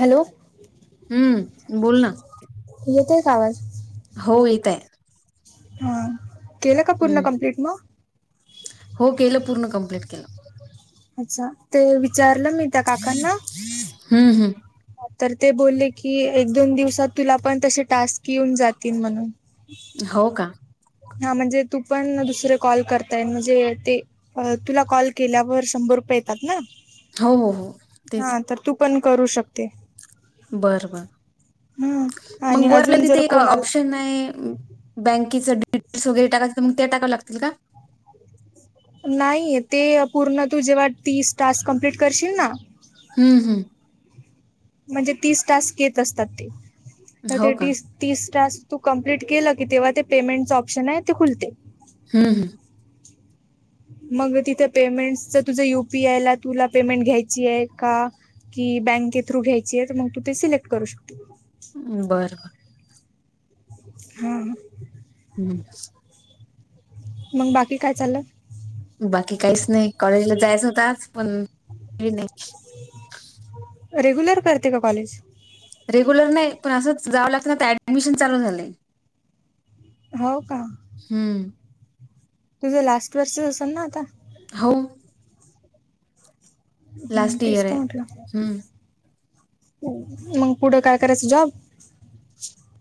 Hello हम्म बोल ना येतेय का आवाज हव येत हाय हा केलं कापूरण हम्म कंप्लीट म हो केलं पूर्ण कंप्लीट केलं. अच्छा ते विचारलं मी त्या काकांना, हम्म हम्म. तर ते बोलले की एक दोन दिवसात तुला पण तसे टास्क येऊन जातील म्हणून हो का? हा म्हणजे तू पण दुसरे कॉल करताय म्हणजे ते अ तुला कॉल केल्यावर शंभर रुपये येतात ना, हो तेच. हा तर तू पण करू शकते. बर बर हम्म आणि मग वरला अजून जर तिथे कोणाला ऑप्शन आहे. बँकेचंडटेल्स वगैरे टाकायं तर मग ते टाकां लागतील का? नाही ते पूर्ण तू जेव्हा तीस टास्क कम्प्लीट करशील ना, हम्म हम्म. म्हणजे तीस टास्क येत असतात ते तर हो ते का तीस तीस तास तू कं्प्लीट केलं की तेव्हा ते पेमेंटचं ऑप्शन आहे ते खुलते. हम्म. मग तिथं पेमेंट तर तुझं युपीआय ला तुला पेमेंट घ्यायची आहे का? की बँके थ्रू घ्यायची आहे तर मग तू ते सिलेक्ट करू शकते. बरं हम्म. हम्म [inaudible] मग बाकी काय चाललं? बाकी काहीच नाही कॉलेजला जायच होत आ पण [unintelligible] हे नाही. ह् [inaudible] रेग्युलर करते का कॉलेज? रेग्युलर नाही पण असंच जावं लागत ना ऍडमिशन चालू झालंय. हो का? हम्म. तुझं लास्ट वर्षच असेल ना आता. हो हम्म लास्ट तेस इयर आहे म्हटल. हम्म मग पुढं काय करायचं जॉब?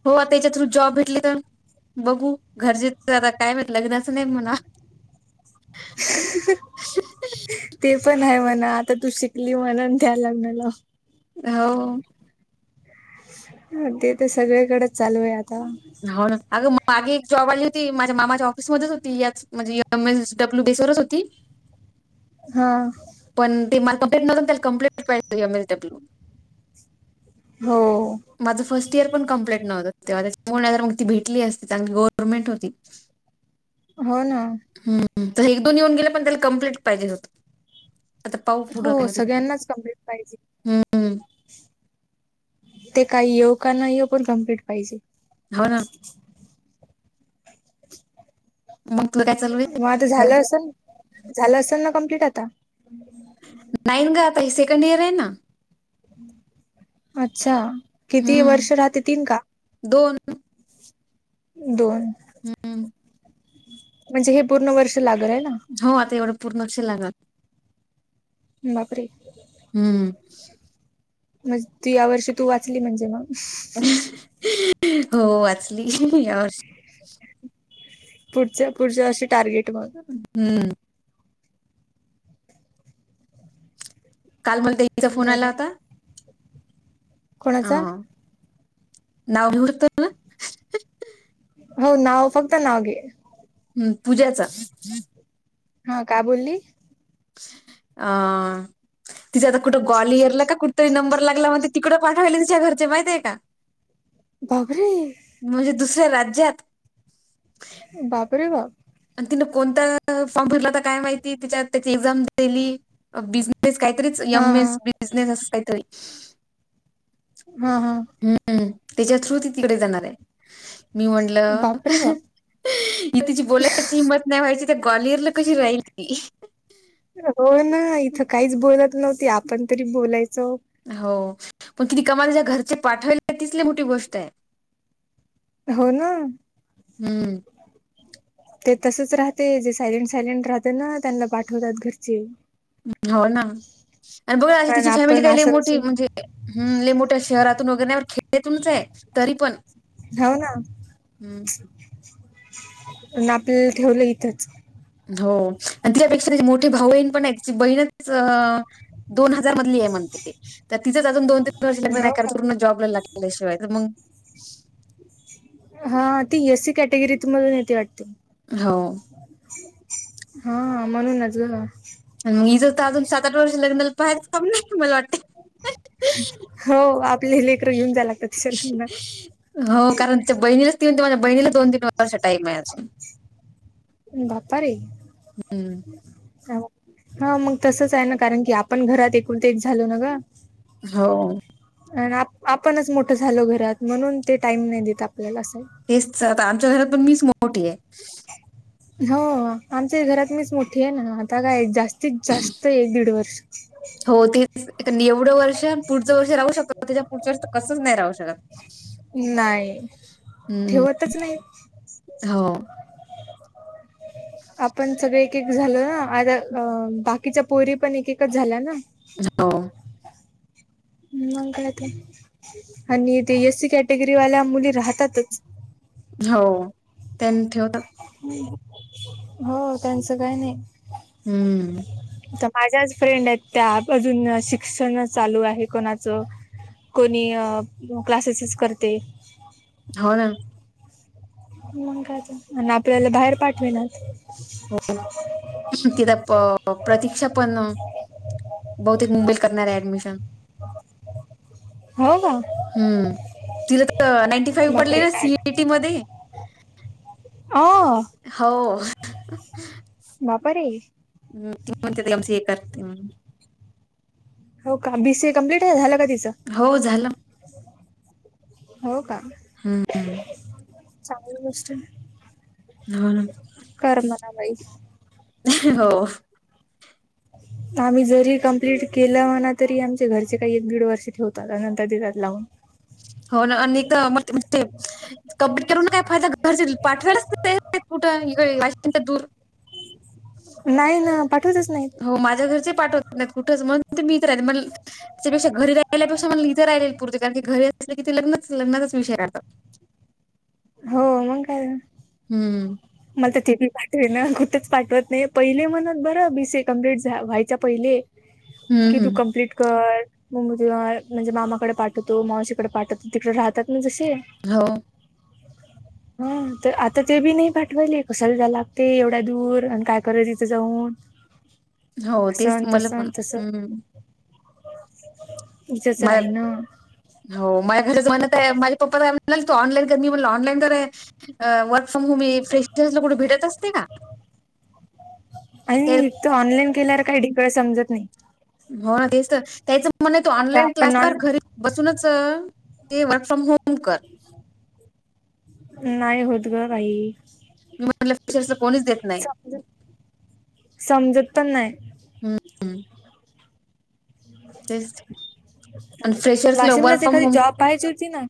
हो आ त्याच्या थ्रू जॉब भेटले तर बघू घरचे आता काय मा लग्नाचं नाही म्हणा ते पण आहे म्हणा आता तू शिकली म्हणून त्या लग्नाला हो. ते तर सगळी्याकडेच चालू आहे आता. हो ना अगं मागी एक जॉब आली होती माझ्या मामाच्या ऑफिस मध्येच होती याच म्हणजे एम एस डब्ल्यू बेस वरच होती हा. पण ते मला क त्याला कंप्लेट पाहि एम एस डबल्यू. हो. माझं फर्स्ट इयर पण कं्प्लीटव्हतं तेव्हा त्याच्यामुळे, मग ती भेटली असती चांगली गव्हर्नमेंट होती. हो ना, हम्म एक दोन येऊन गेले पण त्याला कम्प्लीट पाहिजे होत. हो सगळ्यांनाच कमलीट पाहिजे हम्म ते काही येऊ का नाही येऊ पण कमप्लीट पाहिजे. हो ना, मग [unintelligible] मग आता आहे? झालं असेल झालं असल ना कमप्लीट आता नाहीईन ग आता ह सेकंड इयर आहे ना अच्छा किती हम्म. वर्ष राहते तन का दोन दोन हम्म म्हणजे हे पूर्ण वर्ष लागल हे ना हो आता एवढं पूर्ण तेवढ शिल्लक लागत बाप रे हम्म म तू या वर्षी तू वाचली म्हणजे मग हो वाचली या वर्षी पुढच्या पुढच्या वर्षी टार्गेट बघ हम्म काल मला ताईंचा फोन बरं आला आहे होता कोणाचा अ नाव घेऊ तर हो नाव फक्त नाव घे हम्म पूज्याचा हा का बोली अ तिथे आता कुठं ग्वालियरला का कुठ तरी नंबर लागला म्हण तिकडं पाठवायले तिच्या घरचे माहिताय का बाप रे म्हजे दुसऱ्या राज्यात बापरे बाप.... आणि तिन कोणता फॉर्म फिरला होता काय माहिती तिचा त्याची एक्झाम दिली बी... काहीतरीच हा यम एस हा बिझनेस असच कायतरी... हा हा.... हम्म तिच्या थ्रु ती तिकडे जाणार आहे मी म्हटलं बापरे अह.. बाप ही तिची बोलायची हिंमत नाही व्हायची त्या ग्वालियरला कशी राहिल ती.. हो ना इथं काहीच बोलत नव्हती आपण तरी बोलायचो हो पण किती कमालाच्या्या घरचे पाठवले तिथली मोठी गोष्ट आहे हो ना हम्म ते तसच राहते जे सायलेंट सायलेंट राहते ना त्यांना पाठवतात घरची हो ना आणि बघा पण तिची फॅमिली आपण काही असं मोठी असून म्हणजे हम् ल मोठ्या शहरातून वगैरे नाही खेड्यातूनच आहे तरी पण हाय ना हम्म अनं आपल्याला ठेवलं इथंच हो आणि तिच्यापेक्षा मोठी भाऊ बहीण पण आहे तिची बहीणच दोन हजार मदली हाय म्हणते ती तर तिथंच अजून दोन पुढच्या वर्षी लग्न हो नाही करायच का पुर्ण जाॅबला लागल्याशिवाय तर मग हा ती एससी कॅटेगरीत मधून येते वाटते हो हा म्हणूनच ग आणि मग जर त अजून सात आठ वर्ष लग्नाला पाहायच काम नाय मला वाटतय हो आपले लेकर घेऊन जाय लागत तिच्या हो कारण तिच्या बहिणीलाच ती म्हणते माझ्या बहिणीला दोन तीन वर्ष टाईम आहे अजून.. बापारे... हम्म हा मग तसंच आहे ना कारण की आपण घरात एकूण ते एक झालो ना ग..... हो.... आण आ आपणच मोठं झालो घरात म्हणून ते टाईम नाही देत आपल्याला असं... तेच आमच्या घरात पण मीच मोठीय आहे... हो आमच्या घरात मीच मोठी आहे ना आता काय जास्तीत जास्त एक दीड वर्ष.... होती... एवढं वर्ष पुढच वर्ष राहू शकतो त्याच्या पुढच्या वर्ष कसंच नाही राहू शकत... काय हम्म ठेवतच नाहीत. हो आपण सगळे एक एक झालो ना आता अ बाकीच्या पोरी पण एक एककच झाल्या ना... हो.. मंग काय तर आणि ते एसी कॅटेगरी वाल्या मुली राहतातच... हो त्यांन ठेवतात... हो त्यांचं काही नाही.... हम्म.... तर माझ्याच फ्रेंड आहेत त्या अजून शिक्षण चालू आहे कोणाचं... कोणी क्लासेसच करते हो ना म का आपल्याला बाहेर पाठवे ना हो तिथं प प्रतीक्षा पण [inaudible] बहुतेक मुंबईत करणार आहे ऍडमिशन [inaudible] हो का हम्म तिला तर नाईंटी फाईव्ह पडले बापरे ना सीइटी मध्ये ह हो बापारे. त म्हणतेम स हे करते म्हण. हो का बीसीए कंप्लीट आहे झालं का तिचं. हो झालं. [inaudible] हो का. हम् हम. चांगली गोष्ट... हो कर म्हणा बाई हो.... आम्ही जरी कंप्लिट केलं म्हणा तरी आमचे घरचे काही एक दीड वर्ष ठेवतात नंतर देतात लावून... हो ना आणि मला मग ते... कंप्लिट करून ना काय फायदा घरचे पाठवायला तयार नाय कुठं इडे दूर.. नाही ना पाठवतच नाही. हो माझ्या घरचे पाठवत नाहीत कुठंच म्हणून ते मी इतर राह मला त्यापेक्षा घरी राहिल्यापेक्षा मला इतर राहिले. कारण की घरी अस की ते लग्नच लग्चाच विषय राहतात. हो मंग काय. हम्म मला तर तेिपी पाठवे ना कुठंच पाठवत नाही पहिले म्हणत बरं बीसीए कम्प्लीट व्हायच्या पहिले. हम्म कि तू हम्म कम्प्लीट कर. मम् म्हणजे मामाकडे पाठवतो मावशीकडे पाठवतो तिकडे राहतात मग जशी. हो. [inaudible] हा तर आता ते बी नाही पाठवायले कशला जाय लागते एवढ्या दूर आणि काय करल तिथं जाऊन. [inaudible] हो असं तेच आणि मला तसं पण हम्. उज्याच मला राही ना. हो माझ्या घरच म्हणत आहे माझे पप्पा का म्हणा त ऑनलाईन कर मी म्हण ऑनलाईन कर. ूमी फ्रेश कुठ भेटत असते ना [inaudible] तर. तो ऑनलाईन केल्याला काही िकळ समत नाही. हो ना तेच तर त्याच म्हण तो आता ऑनलाईन क्लास आपण कर ऑन घरी. बसूनच ते वर्क फ्रॉम होम कर. नाही होत ग काही. मी म्हटलंर कोणीच देत नाही. समजत समजत पण नाही. हम्म तेच आणि [inaudible] फ्रेशर्सला वर्क वाशिमलाच फ्रॉम एखादी होम जॉब पाहायची होती ना.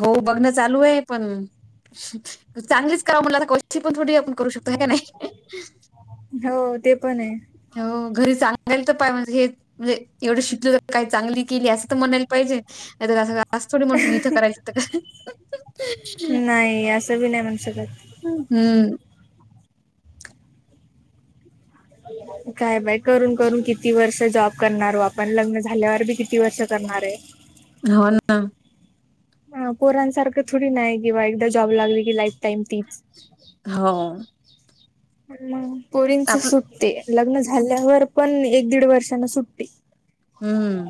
हो बघणं चालू आहे पण. चांगलीच करा म्हला आता कशी पण थोडी आपण करू शकतो ह का नाही. हो ते पण आहे. हो घरी चांगल तर पाय म्हणजे हे. म्हणजे एवढं शिकल तर काय चांगली केली असं तर म्हणायला पाहिजे नाही असं. जा थोडी म्हण इथं करायचंं का. नाही असं बी नाही म्हणस कात. हम्म. काय बाय करून-करून किती वर्ष जॉब करणारो आपण लग्न झाल्यावर बी किती वर्ष करणार आहे. हो ना. पोरांसारखं थोडी नाही किंवा एकदा जॉब लागली की लाईफ टाईम तीच. हो. [inaudible] पोरीनच आपलं सुटते. लग्न झाल्यावर पण एक दीड वर्षांना सुट्टी. हम्म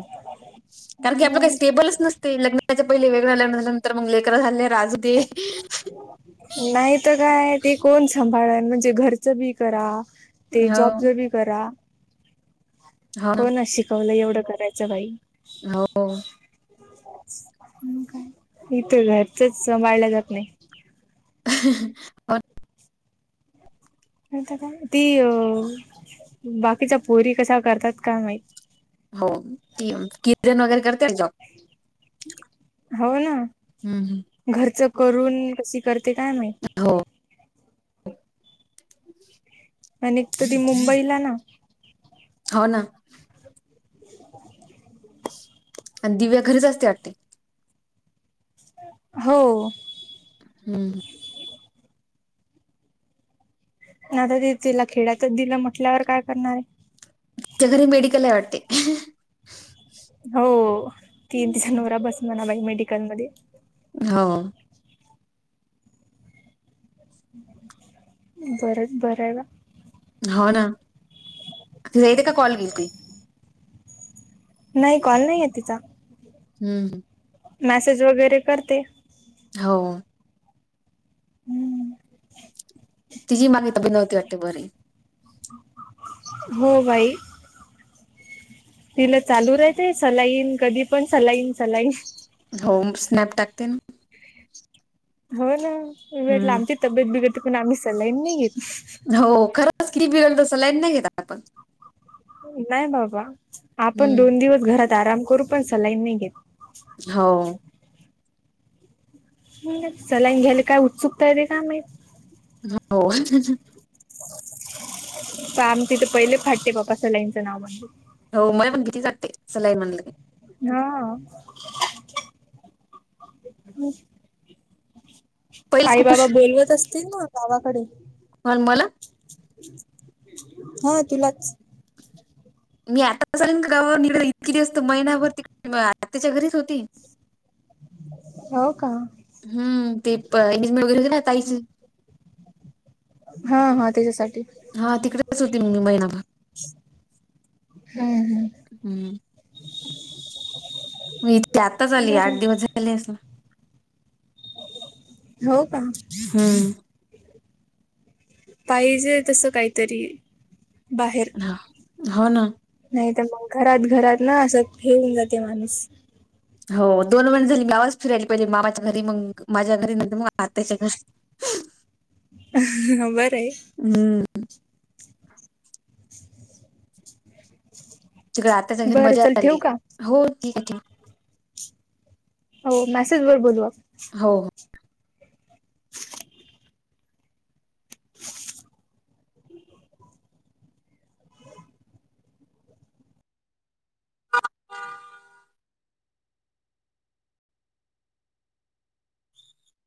कारण की आपलं काही मग स्टेबलच नसत. ते लग्नाच्या पहिले वेगळं लग्न झाल्यानंतर मग लेकर झाले राजदे. नाहीत काय ते कोण सांभाळन म्हणजे घरचं बी करा. ते हो जॉब जर ब करा. हो ना कोण शिकवलं एवढं करायचं काई. हो. इथं घरचच सांभाळल्या जात नाही. हो. का ती अ बाकीचा पोरी कसा करतात का माहि हो ती किर्तन वगैरे करते जॉ हो ना घरच करून कशी करते काय माहि. हो. आणि तधी मुंबईला ना हो ना [unintelligible] आणि दिव्या घरीच असते वाटते. हो. हम्म. नाता ते तिला खेड्यातच दिलं म्हटल्यावर काय करणार आहे. त्याच्या घरी मेडिकल आहे वाटते. हो ती न तिचा नवरा बस म्हणा बाई मेडिकल मध्ये. हा बरं बरंला हो ना त जायेत का कॉल केेलती. नाही कॉल नाहीये तिचा हम्म मॅसेज वगैरे करते. हो. हम्म तिझी मागणीता बी नव्हती वाटते बररी. हो बाई तिला चालू राहतेय सलाईन कधी पण सलाईन सलाईन हो स्नॅप टाकते ना. हो ना म भेटलं हम्म. आमची तब्येत बिघडते पण आम्ही सल्लाईन नाही घेत हो खरं. कि बिघडल तरी सलायन नाही घ नाही बाबा आपण हम्म. दोन दिवस घरात आराम करू पण सलाईन नाही घेत हो सलाईन घ्यायला काय उत्सुकता येते का मा हो प आम तिथं पहिले फाटते बापा सलाईंचं नाव म्हणतो हो म पण किती जगते सलायन म्हणलं की हा पहिलेच आई खूप बाबा उशीर बोलवत असतील ना गावाकडे कोण मला हा तुलाच मी आता असलन गावा निघ इतकीि दि असत महिनाभरती आ त्याच्या घरीच होती हो का हम् ते प इंिज वगैरे होते ना ताईच हा हा त्याच्यासाठी हा तिकडेच होती मी महिनाभर हम्म हम्म म इथे आताच हम्म आली बरं आठ आहे. दिवस झाले अस ना हो का हम्म पाहिजे तसं काहीतरी बाहेर हो ना नाही तर मग घरात घरात ना असं ठेऊन जाते माणूस हो दोन वन झाली मावाच फिरायली पाहिजे मामाच्या घरी मग माझ्या घरी न मग आताच्या घरी बर आहे हम्म तिकडे आता सगळे बरं मजा चल ठेवू आली का हो ठी हो मेसेज वर बोलवा हो